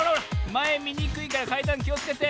まえみにくいからかいだんきをつけて。